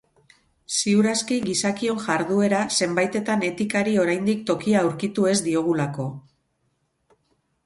Ziur aski gizakion jarduera zenbaitetan etikari oraindik tokia aurkitu ez diogulako.